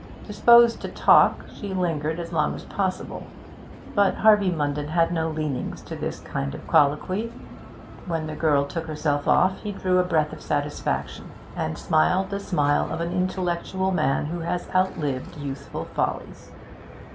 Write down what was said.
Disposed to talk, she lingered as long as possible, but Harvey Munden had no leanings to this kind of colloquy; when the girl took herself off, he drew a breath of satisfaction, and smiled the smile of an intellectual man who has outlived youthful follies.